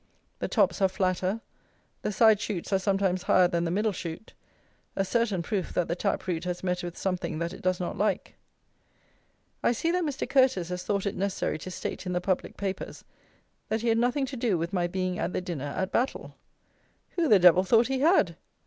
The tops are flatter; the side shoots are sometimes higher than the middle shoot; a certain proof that the tap root has met with something that it does not like. I see (Jan. 15) that Mr. Curteis has thought it necessary to state in the public papers, that he had nothing to do with my being at the dinner at Battle! Who the Devil thought he had?